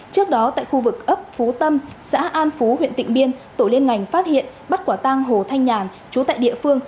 trước đó tại khu vực ấp phú tâm xã an phú huyện tịnh biên tổ liên ngành phát hiện bắt quả tang hồ thanh nhàn chú tại địa phương